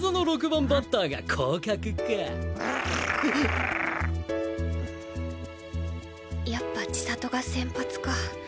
心の声やっぱ千里が先発か。